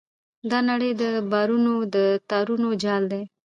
دا نړۍ د باورونو د تارونو جال دی.